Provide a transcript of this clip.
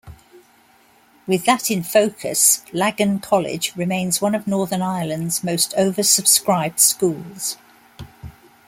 With that in focus, Lagan College remains one of Northern Ireland's most oversubscribed schools.